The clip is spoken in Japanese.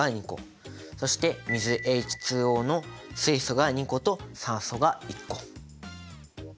そして水ＨＯの水素が２個と酸素が１個。